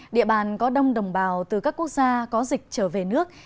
địa bàn có đông đồng bào từ các quốc gia có dịch trở về nước